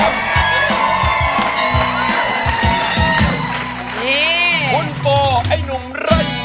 มุนโป้ไอหนุ่มไรมัน